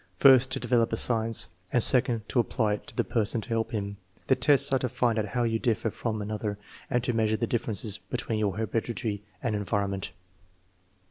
First to develop a science, and second to apply it to the person to help him. The tests are to find out how you differ from another and to measure the difference between your heredity and environment."